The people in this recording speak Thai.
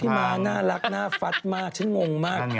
ม้าน่ารักน่าฟัดมากฉันงงมาก